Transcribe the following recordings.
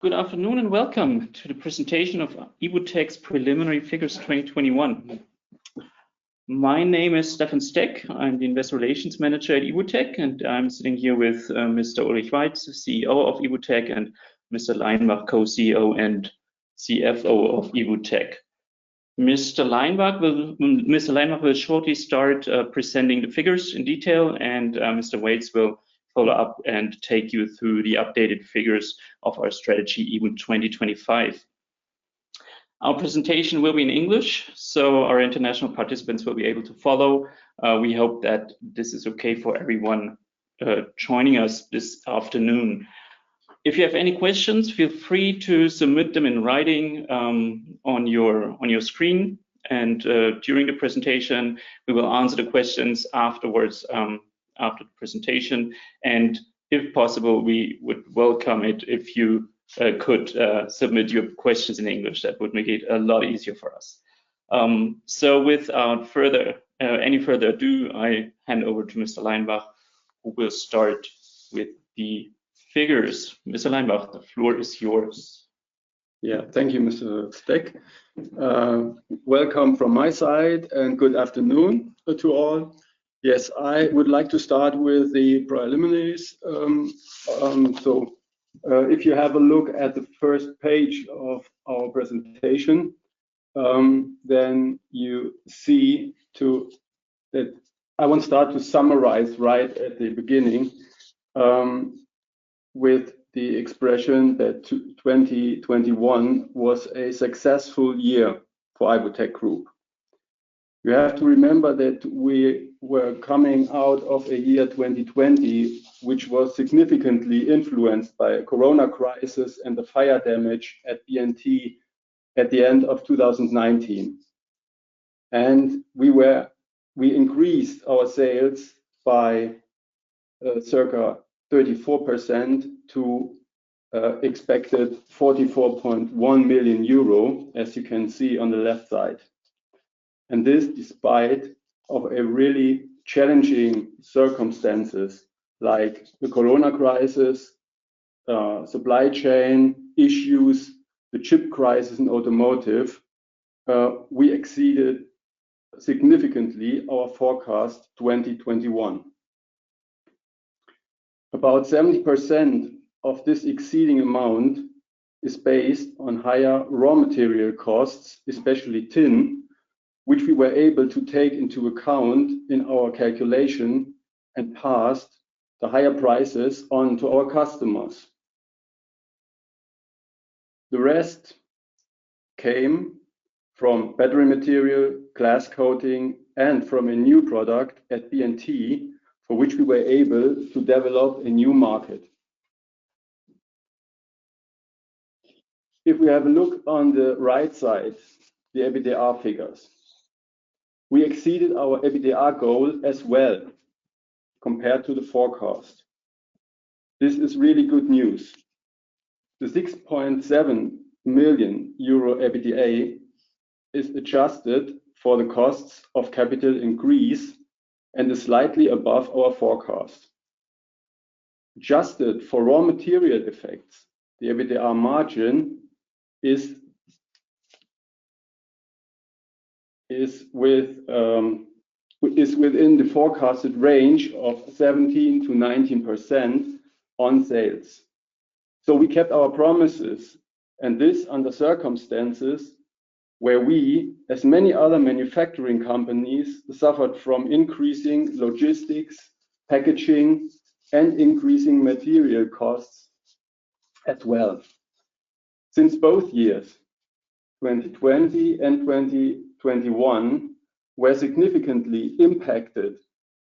Good afternoon and welcome to the presentation of IBU-tec's preliminary figures, 2021. My name is Stefan Steck. I'm the Investor Relations Manager at IBU-tec, and I'm sitting here with Mr. Ulrich Weitz, CEO of IBU-tec, and Mr. Jörg Leinenbach, Co-CEO and CFO of IBU-tec. Mr. Jörg Leinenbach will shortly start presenting the figures in detail, and Mr. Ulrich Weitz will follow up and take you through the updated figures of our strategy, IBU 2025. Our presentation will be in English, so our international participants will be able to follow. We hope that this is okay for everyone joining us this afternoon. If you have any questions, feel free to submit them in writing on your screen and during the presentation. We will answer the questions afterwards, after the presentation, and if possible, we would welcome it if you could submit your questions in English. That would make it a lot easier for us. Without any further ado, I hand over to Mr. Leinenbach, who will start with the figures. Mr. Leinenbach, the floor is yours. Yeah. Thank you, Mr. Steck. Welcome from my side, and good afternoon to all. Yes, I would like to start with the preliminaries. If you have a look at the first page of our presentation, then you see that I want to start to summarize right at the beginning, with the expression that 2021 was a successful year for IBU-tec Group. You have to remember that we were coming out of a year, 2020, which was significantly influenced by corona crisis and the fire damage at BNT at the end of 2019. We increased our sales by circa 34% to expected 44.1 million euro, as you can see on the left side. This despite a really challenging circumstances like the corona crisis, supply chain issues, the chip crisis in automotive, we exceeded significantly our forecast 2021. About 70% of this exceeding amount is based on higher raw material costs, especially tin, which we were able to take into account in our calculation and passed the higher prices on to our customers. The rest came from battery material, glass coating, and from a new product at BNT, for which we were able to develop a new market. If we have a look on the right side, the EBITDA figures, we exceeded our EBITDA goal as well compared to the forecast. This is really good news. The 6.7 million euro EBITDA is adjusted for the costs of capital increase and is slightly above our forecast. Adjusted for raw material effects, the EBITDA margin is within the forecasted range of 17%-19% on sales. We kept our promises and this under circumstances where we, as many other manufacturing companies, suffered from increasing logistics, packaging, and increasing material costs as well. Since both years, 2020 and 2021, were significantly impacted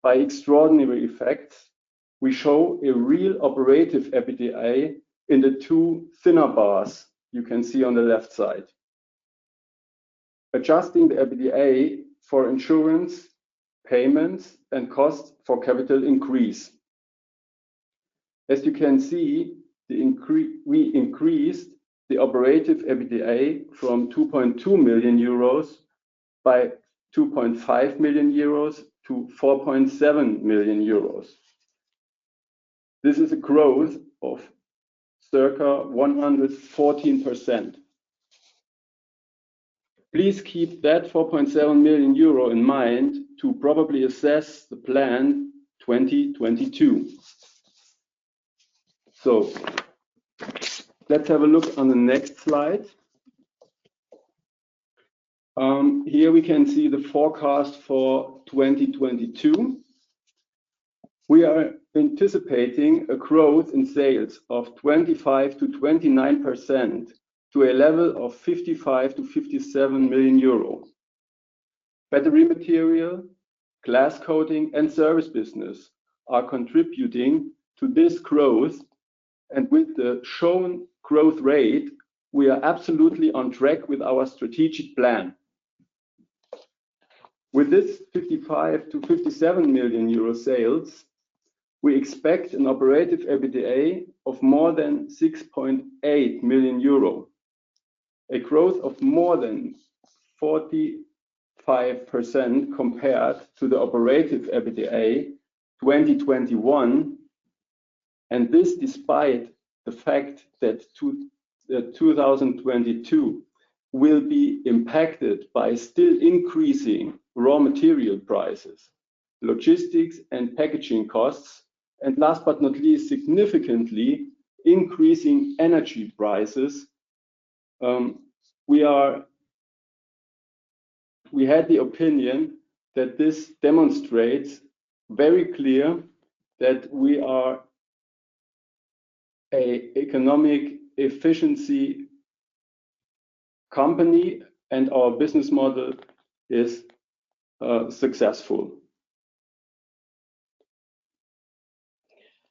by extraordinary effects, we show a real operative EBITDA in the two thinner bars you can see on the left side. Adjusting the EBITDA for insurance, payments, and cost for capital increase. As you can see, we increased the operative EBITDA from 2.2 million euros by 2.5 million euros to 4.7 million euros. This is a growth of circa 114%. Please keep that 4.7 million euro in mind to properly assess the plan 2022. Let's have a look on the next slide. Here we can see the forecast for 2022. We are anticipating a growth in sales of 25%-29% to a level of 55 million-57 million euro. Battery material, glass coating, and service business are contributing to this growth. With the shown growth rate, we are absolutely on track with our strategic plan. With this 55 million-57 million euro sales, we expect an operative EBITDA of more than 6.8 million euros. A growth of more than 45% compared to the operative EBITDA 2021, and this despite the fact that 2022 will be impacted by still increasing raw material prices, logistics and packaging costs, and last but not least, significantly increasing energy prices. We had the opinion that this demonstrates very clearly that we are an economically efficient company and our business model is successful.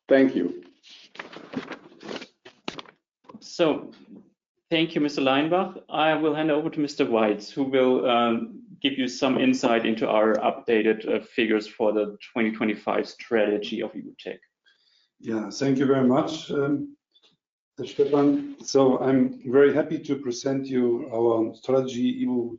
Thank you. Thank you, Mr. Leinenbach. I will hand over to Mr. Weitz, who will give you some insight into our updated figures for the 2025 strategy of IBU-tec. Yeah. Thank you very much, Stefan. I'm very happy to present you our strategy IBU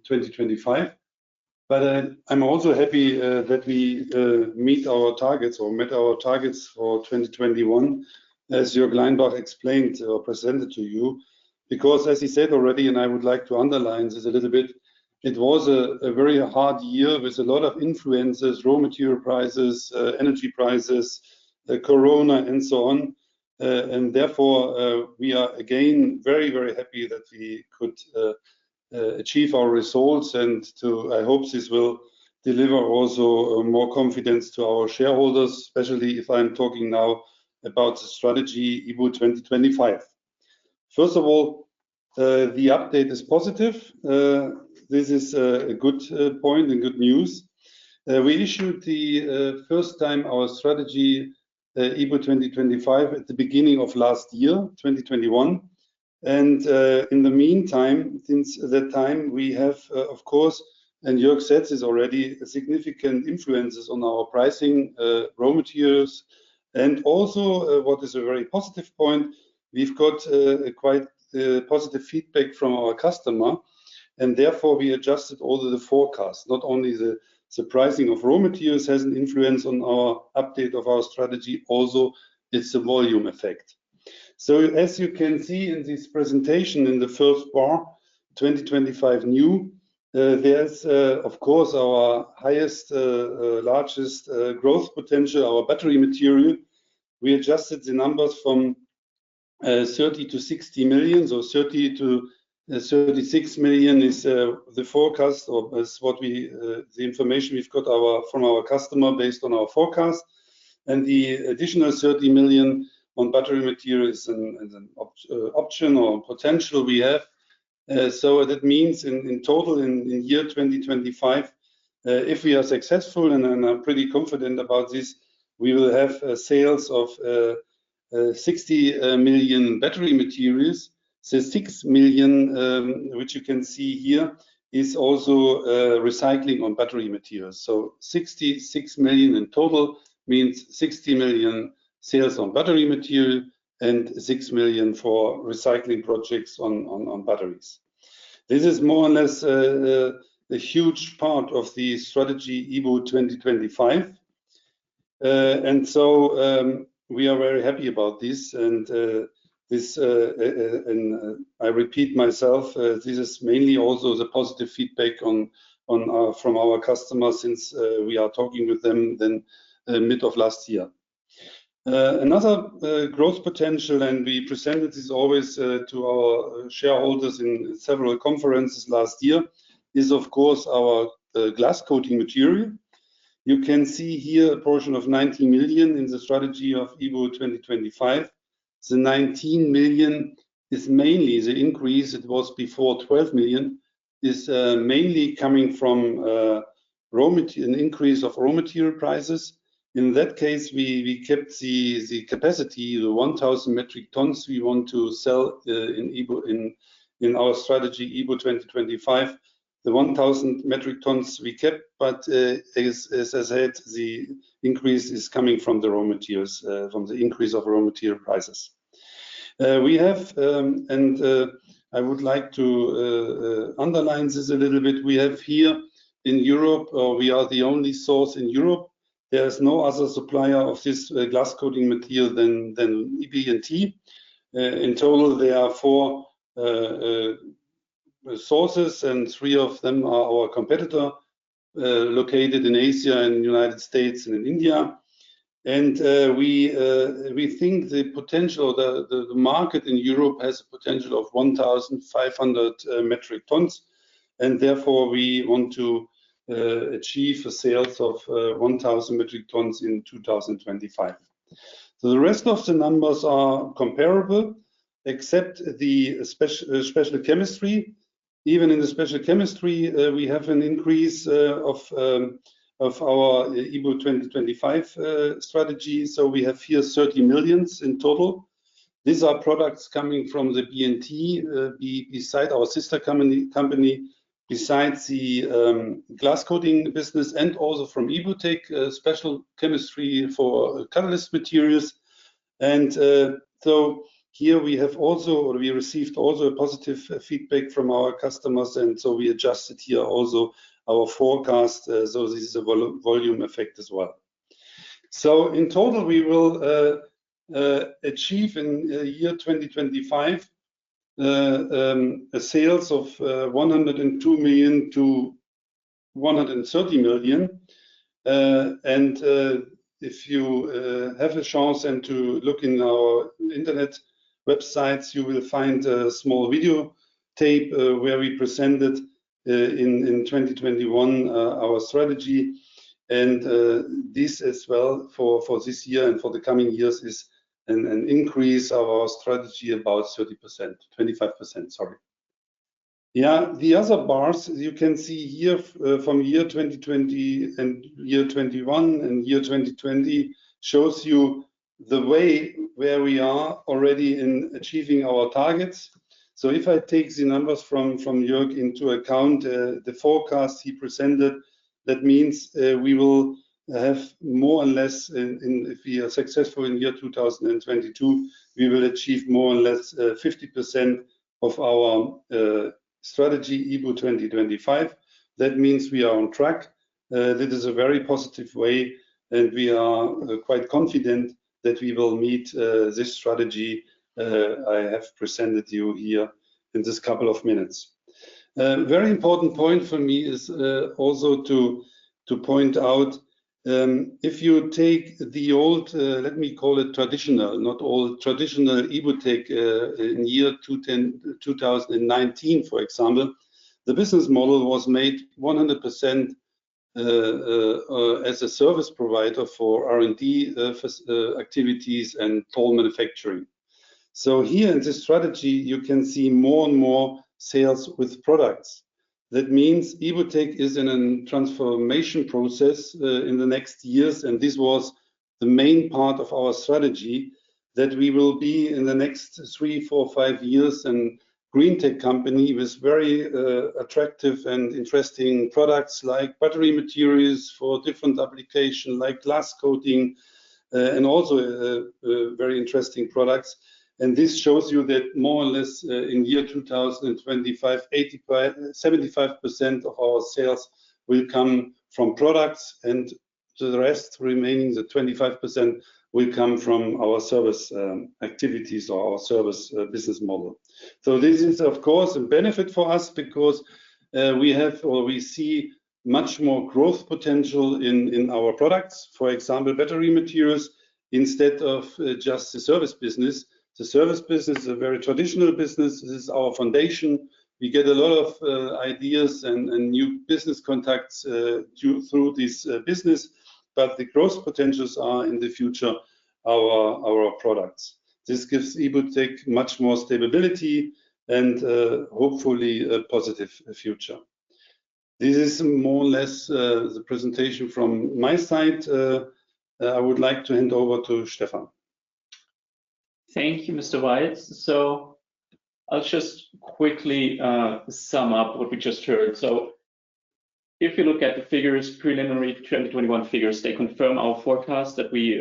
2025, but I'm also happy that we meet our targets or met our targets for 2021, as Jörg Leinenbach explained or presented to you, because as he said already, I would like to underline this a little bit. It was a very hard year with a lot of influences, raw material prices, energy prices, corona and so on. Therefore, we are again very, very happy that we could achieve our results and I hope this will deliver also more confidence to our shareholders, especially if I'm talking now about the strategy IBU 2025. First of all, the update is positive. This is a good point and good news. We issued for the first time our strategy IBU 2025 at the beginning of last year, 2021. In the meantime, since that time, we have of course, and Jörg said this already, significant influences on our pricing of raw materials and also, what is a very positive point, we've got quite a positive feedback from our customer, and therefore we adjusted all of the forecasts. Not only the pricing of raw materials has an influence on our update of our strategy, also it's a volume effect. As you can see in this presentation in the first bar, 2025 new, there's of course our highest largest growth potential, our battery material. We adjusted the numbers from 30 million to 60 million, so 30 million-36 million is the forecast or the information we've got from our customer based on our forecast and the additional 30 million on battery materials and an option or potential we have. That means in total in year 2025, if we are successful, and I'm pretty confident about this, we will have sales of 60 million battery materials. The 6 million, which you can see here, is also recycling on battery materials. 66 million in total means 60 million sales on battery material and 6 million for recycling projects on batteries. This is more or less a huge part of the strategy IBU 2025. We are very happy about this, and I repeat myself, this is mainly also the positive feedback from our customers since we are talking with them then, mid of last year. Another growth potential, and we presented this always to our shareholders in several conferences last year, is of course our glass coating material. You can see here a portion of 19 million in the strategy of IBU 2025. The 19 million is mainly the increase, it was before 12 million, is mainly coming from an increase of raw material prices. In that case, we kept the capacity, the 1,000 metric tons we want to sell, in our strategy IBU 2025. The 1,000 metric tons we kept, but as I said, the increase is coming from the raw materials, from the increase of raw material prices. I would like to underline this a little bit. We have here in Europe, we are the only source in Europe. There is no other supplier of this glass coating material than BNT Chemicals. In total, there are four sources, and three of them are our competitors located in Asia and the United States and in India. We think the potential, the market in Europe has a potential of 1,500 metric tons, and therefore we want to achieve a sales of 1,000 metric tons in 2025. The rest of the numbers are comparable except the special chemistry. Even in the special chemistry, we have an increase of our IBU 2025 strategy. We have here 30 million in total. These are products coming from the BNT beside our sister company. Besides the glass coating business and also from IBU-tec, a special chemistry for catalyst materials. We received also a positive feedback from our customers and so we adjusted here also our forecast. This is a volume effect as well. In total, we will achieve in 2025 sales of 102 million-130 million. If you have a chance to look in our website, you will find a small video where we presented in 2021 our strategy and this as well for this year and for the coming years is an increase of our strategy, about 30%. 25%, sorry. Yeah, the other bars you can see here from 2020 and 2021 and 2022 shows you the way where we are already achieving our targets. If I take the numbers from Jörg into account, the forecast he presented, that means we will have more or less. If we are successful in year 2022, we will achieve more or less 50% of our strategy IBU 2025. That means we are on track. That is a very positive way, and we are quite confident that we will meet this strategy I have presented you here in this couple of minutes. A very important point for me is also to point out, if you take the old, let me call it traditional, not old, traditional IBU-tec, in 2019, for example, the business model was made 100% as a service provider for R&D activities and toll manufacturing. Here in this strategy, you can see more and more sales with products. That means IBU-tec is in a transformation process in the next years, and this was the main part of our strategy, that we will be, in the next three, four, five years, a green tech company with very attractive and interesting products like battery materials for different application, like glass coating, and also very interesting products. This shows you that more or less, in year 2025, 75% of our sales will come from products, and the rest remaining, the 25%, will come from our service activities or our service business model. This is, of course, a benefit for us because we have, or we see much more growth potential in our products, for example, battery materials, instead of just the service business. The service business is a very traditional business. This is our foundation. We get a lot of ideas and new business contacts through this business, but the growth potentials are, in the future, our products. This gives IBU-tec much more stability and hopefully a positive future. This is more or less the presentation from my side. I would like to hand over to Stefan. Thank you, Mr. Weitz. I'll just quickly sum up what we just heard. If you look at the figures, preliminary 2021 figures, they confirm our forecast that we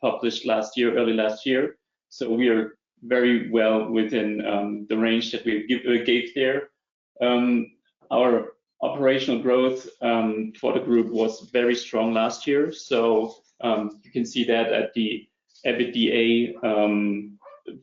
published last year, early last year. We are very well within the range that we gave there. Our operational growth for the group was very strong last year, you can see that at the EBITDA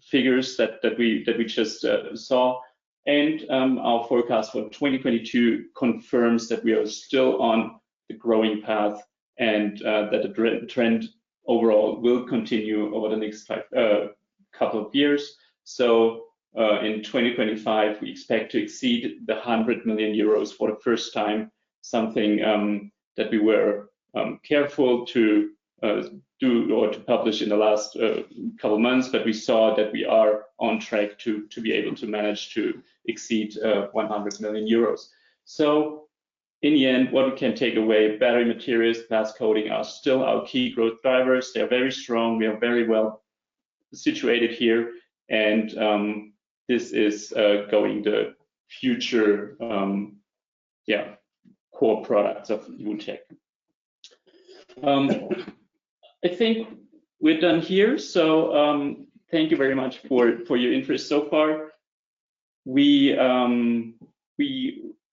figures that we just saw. Our forecast for 2022 confirms that we are still on the growing path and that the trend overall will continue over the next couple of years. In 2025, we expect to exceed 100 million euros for the first time, something that we were careful to do or to publish in the last couple months. We saw that we are on track to be able to manage to exceed 100 million euros. In the end, what we can take away, battery materials, glass coating are still our key growth drivers. They are very strong. We are very well situated here. This is going into the future, yeah, core products of IBU-tec. I think we're done here, thank you very much for your interest so far. We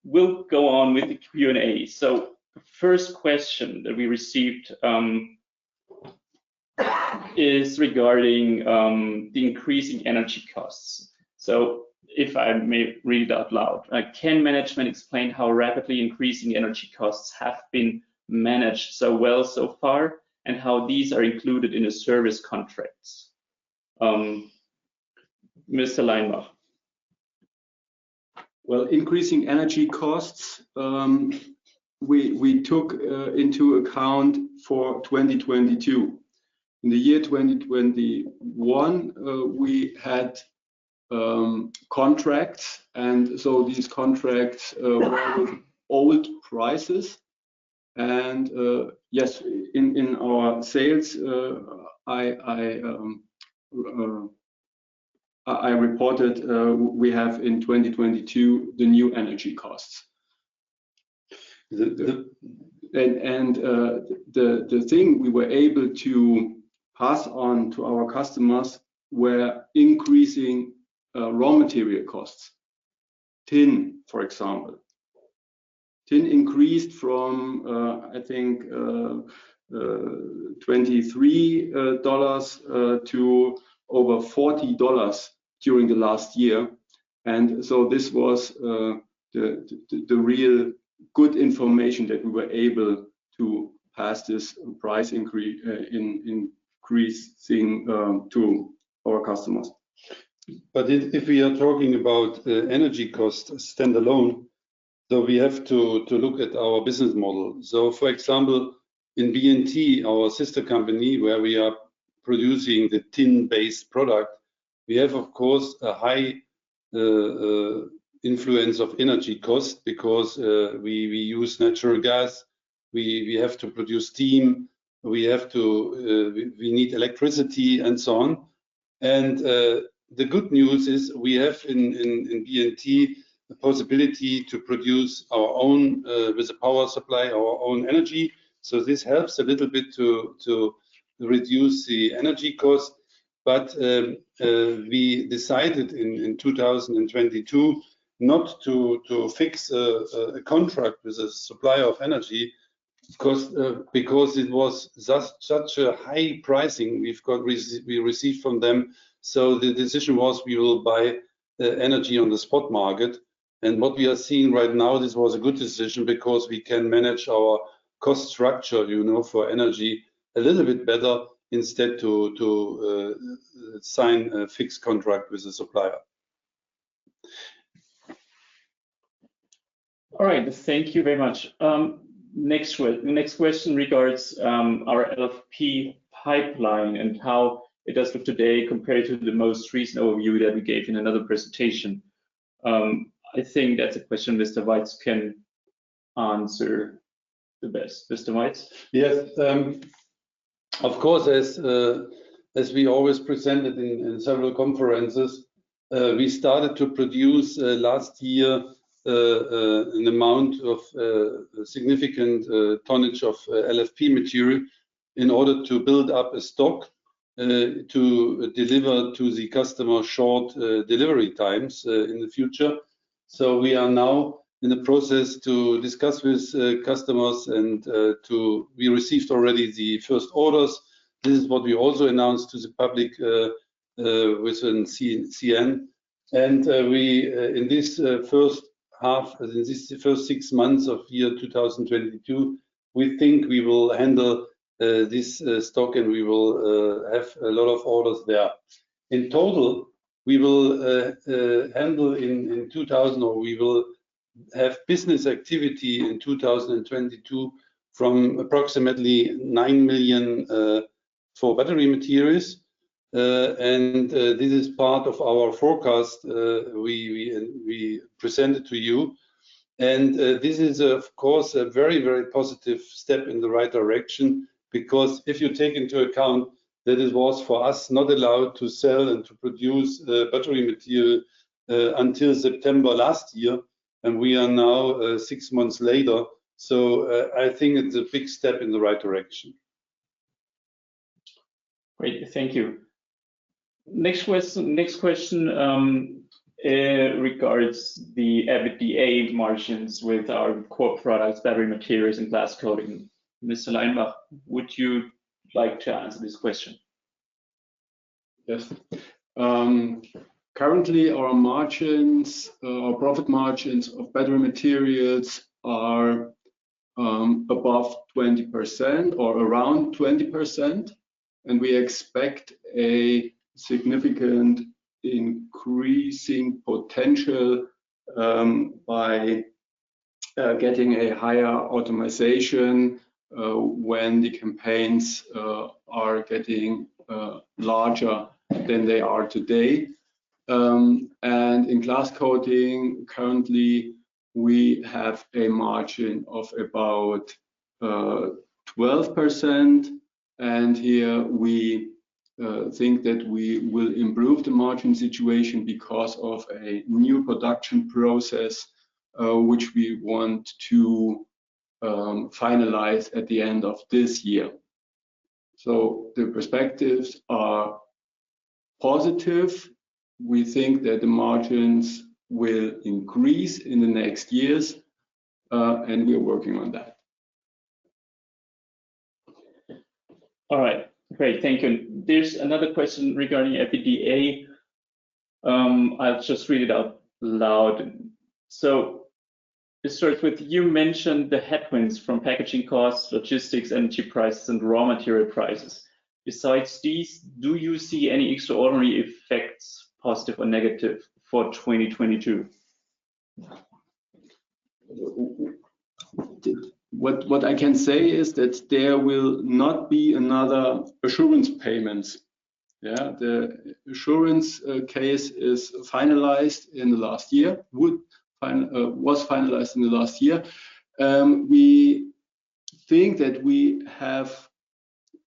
will go on with the Q&A. First question that we received is regarding the increasing energy costs. If I may read out loud. Can management explain how rapidly increasing energy costs have been managed so well so far and how these are included in the service contracts? Mr. Leinenbach. Well, increasing energy costs, we took into account for 2022. In the year 2021, we had contracts, and so these contracts were with old prices. Yes, in our sales, I reported we have in 2022 the new energy costs. The thing we were able to pass on to our customers were increasing raw material costs. Tin, for example. Tin increased from I think $23 to over $40 during the last year. This was the real good information that we were able to pass this price increase thing to our customers. If we are talking about energy costs standalone, though we have to look at our business model. For example, in BNT, our sister company, where we are producing the tin-based product, we have of course a high influence of energy cost because we use natural gas. We have to produce steam. We need electricity and so on. The good news is we have in BNT the possibility to produce our own energy with the power supply. This helps a little bit to reduce the energy cost. We decided in 2022 not to fix a contract with the supplier of energy because it was such a high pricing we received from them. The decision was we will buy the energy on the spot market. What we are seeing right now, this was a good decision because we can manage our cost structure, you know, for energy a little bit better instead to sign a fixed contract with the supplier. All right. Thank you very much. The next question regards our LFP pipeline and how it does look today compared to the most recent overview that we gave in another presentation. I think that's a question Mr. Weitz can answer the best. Mr. Weitz? Yes. Of course, as we always presented in several conferences, we started to produce last year an amount of significant tonnage of LFP material in order to build up a stock to deliver to the customer short delivery times in the future. We are now in the process to discuss with customers and we received already the first orders. This is what we also announced to the public within ad hoc. In this first half, in this first six months of year 2022, we think we will handle this stock and we will have a lot of orders there. In total, we will have business activity in 2022 from approximately 9 million for battery materials. This is part of our forecast we presented to you. This is of course a very positive step in the right direction because if you take into account that it was for us not allowed to sell and to produce battery materials until September last year, and we are now six months later. I think it's a big step in the right direction. Great. Thank you. Next question regards the EBITDA margins with our core products, battery materials and glass coating. Mr. Leinenbach, would you like to answer this question? Yes. Currently our margins, our profit margins of battery materials are above 20% or around 20%, and we expect a significant increasing potential by getting a higher automation when the campaigns are getting larger than they are today. In glass coating, currently we have a margin of about 12%, and here we think that we will improve the margin situation because of a new production process which we want to finalize at the end of this year. The perspectives are positive. We think that the margins will increase in the next years, and we are working on that. All right. Great. Thank you. There's another question regarding EBITDA. I'll just read it out loud. It starts with, you mentioned the headwinds from packaging costs, logistics, energy prices and raw material prices. Besides these, do you see any extraordinary effects, positive or negative, for 2022? What I can say is that there will not be another insurance payments. Yeah. The insurance case was finalized in the last year. We think that we have,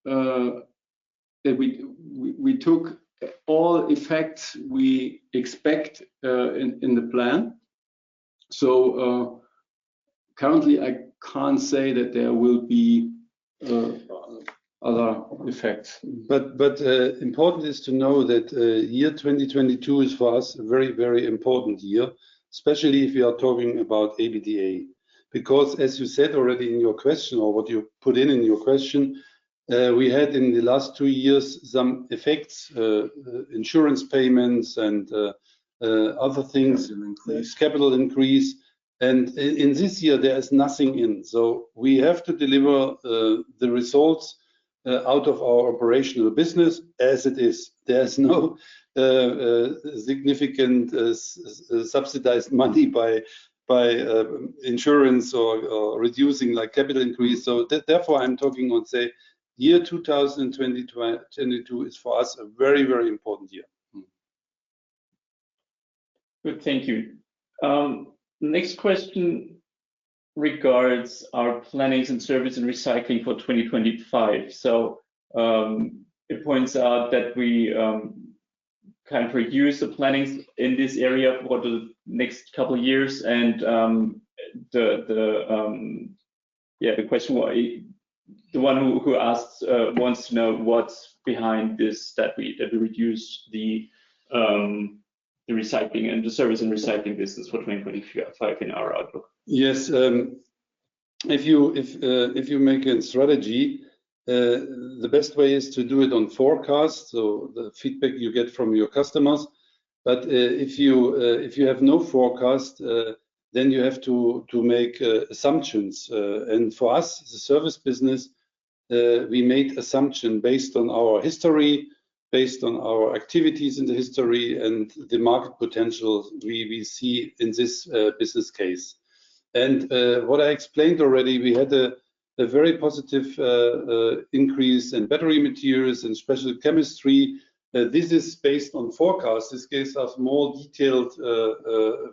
that we took all effects we expect in the plan. Currently I can't say that there will be other effects. Important is to know that year 2022 is for us a very important year, especially if you are talking about EBITDA. As you said already in your question or what you put in your question, we had in the last two years some effects, insurance payments and other things. Capital increase. Capital increase. In this year there is nothing in, so we have to deliver the results out of our operational business as it is. There's no significant subsidized money by insurance or reducing like capital increase. Therefore I'm talking on, say, year 2020-2022 is for us a very, very important year. Good, thank you. Next question regards our planning and services and recycling for 2025. It points out that we kind of reduce the planning in this area for the next couple years, and the one who asks wants to know what's behind this, that we reduce the recycling and the services and recycling business for 2025 in our outlook. Yes. If you make a strategy, the best way is to do it on forecast, so the feedback you get from your customers. If you have no forecast, then you have to make assumptions. For us as a service business, we make assumptions based on our history, based on our activities in the history, and the market potential we see in this business case. What I explained already, we had a very positive increase in battery materials and special chemistry. This is based on forecast. This gives us more detailed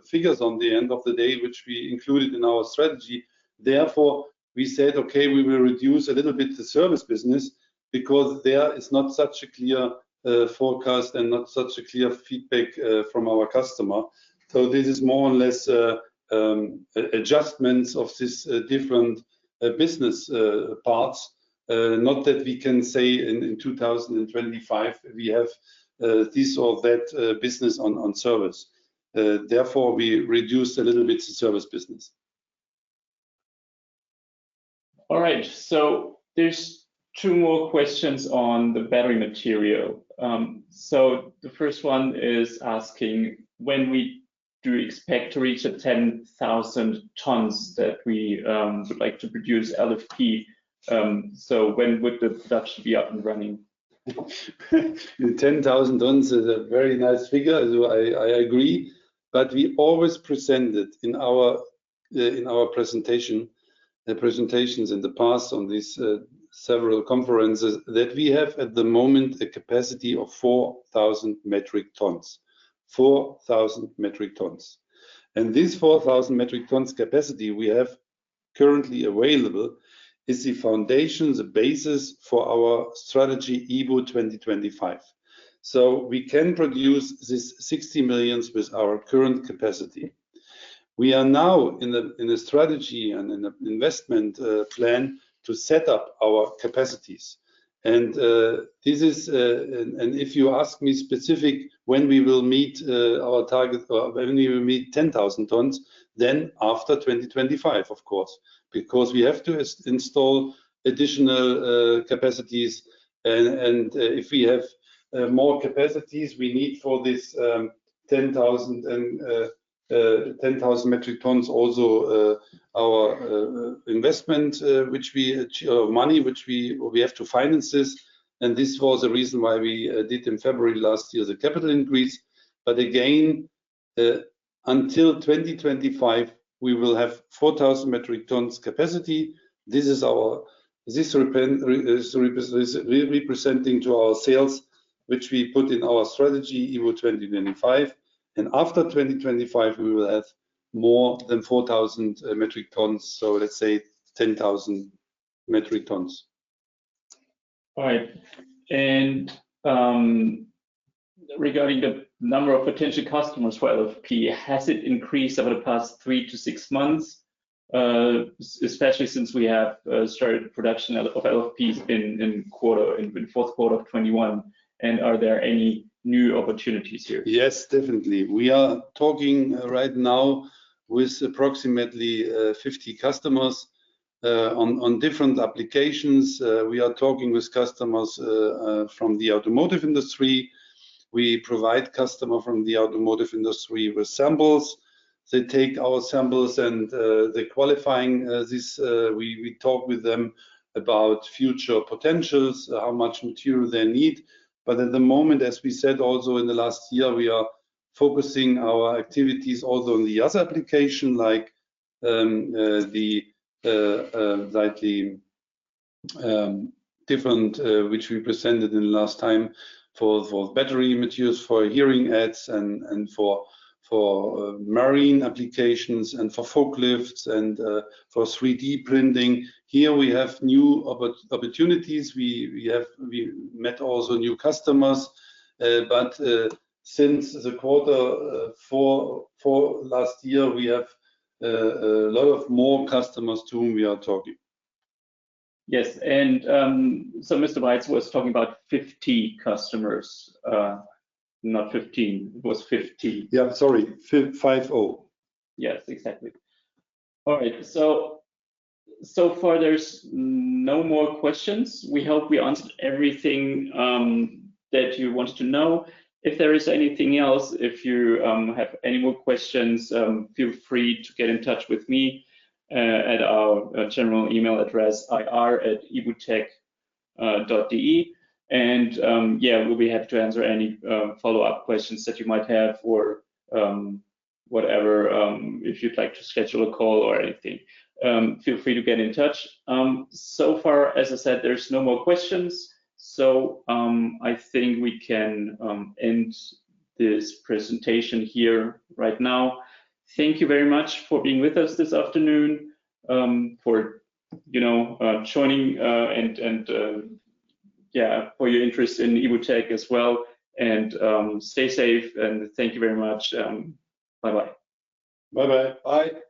figures on the end of the day, which we included in our strategy. Therefore, we said, "Okay, we will reduce a little bit the service business," because there is not such a clear forecast and not such a clear feedback from our customer. This is more or less adjustments of this different business parts. Not that we can say in 2025 we have this or that business on service. Therefore, we reduce a little bit the service business. All right. There's two more questions on the battery material. The first one is asking when we do expect to reach the 10,000 tons that we would like to produce LFP. When would the production be up and running? The 10,000 tons is a very nice figure, I agree, but we always presented in our presentation, the presentations in the past on this several conferences, that we have at the moment a capacity of 4,000 metric tons. This 4,000 metric tons capacity we have currently available is the foundation, the basis, for our strategy IBU 2025. We can produce this 60 million with our current capacity. We are now in a strategy and in an investment plan to set up our capacities. If you ask me specifically, when we will meet our target, or when we will meet 10,000 tons, then after 2025, of course. Because we have to install additional capacities and if we have more capacities, we need for this 10,000 metric tons also our investment or money which we have to finance. This was the reason why we did in February last year the capital increase. Again, until 2025, we will have 4,000 metric tons capacity. This is our. This represents our sales, which we put in our strategy, IBU 2025. After 2025, we will have more than 4,000 metric tons, so let's say 10,000 metric tons. All right. Regarding the number of potential customers for LFP, has it increased over the past three to six months, especially since we have started production of LFPs in fourth quarter of 2021, and are there any new opportunities here? Yes, definitely. We are talking right now with approximately 50 customers on different applications. We are talking with customers from the automotive industry. We provide customer from the automotive industry with samples. They take our samples and they're qualifying this. We talk with them about future potentials, how much material they need. At the moment, as we said also in the last year, we are focusing our activities also on the other application like the slightly different which we presented in the last time for battery materials, for hearing aids and for marine applications and for forklifts and for 3D printing. Here we have new opportunities. We have met also new customers. Since the quarter four last year, we have a lot of more customers to whom we are talking. Yes. Mr. Weitz was talking about 50 customers. Not 15. It was 50. Yeah, sorry. 50. Yes, exactly. All right. So far there's no more questions. We hope we answered everything that you wanted to know. If there is anything else, if you have any more questions, feel free to get in touch with me at our general email address, ir@ibu-tec.de. Yeah, we'll be happy to answer any follow-up questions that you might have or whatever if you'd like to schedule a call or anything. Feel free to get in touch. So far, as I said, there's no more questions, so I think we can end this presentation here right now. Thank you very much for being with us this afternoon, for you know joining and yeah for your interest in IBU-tec as well. Stay safe, and thank you very much. Bye-bye. Bye-bye. Bye.